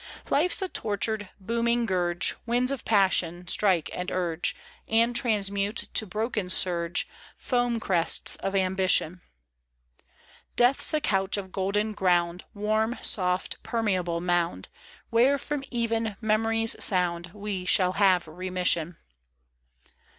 Life's a tortured, booming gurge Winds of passion strike and urge. And transmute to broken surge Foam crests of ambition. Death's a couch of golden ground. Warm, soft, permeable mound, Where from even memory's sound We shall have remission.